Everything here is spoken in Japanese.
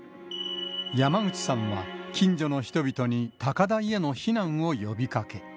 山口さんは近所の人々に高台への避難を呼びかけ。